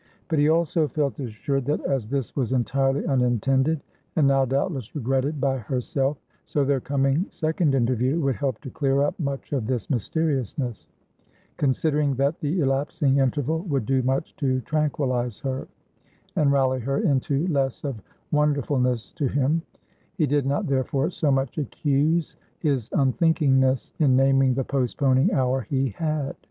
But he also felt assured, that as this was entirely unintended, and now, doubtless, regretted by herself, so their coming second interview would help to clear up much of this mysteriousness; considering that the elapsing interval would do much to tranquilize her, and rally her into less of wonderfulness to him; he did not therefore so much accuse his unthinkingness in naming the postponing hour he had.